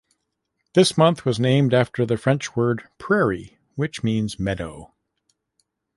This month was named after the French word "prairie", which means "meadow".